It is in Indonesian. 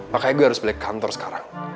makanya gue harus beli kantor sekarang